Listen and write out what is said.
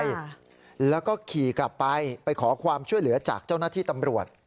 ค่ะแล้วก็ขี่กลับไปไปขอความช่วยเหลือจากเจ้าหน้าที่ตำรวจ